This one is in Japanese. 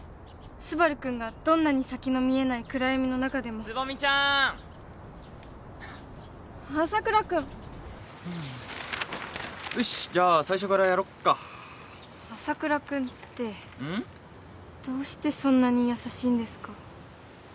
スバル君がどんなに先の見えない暗闇の中でも蕾未ちゃーん朝倉君よしじゃあ最初からやろっか朝倉君ってうん？どうしてそんなに優しいんですか？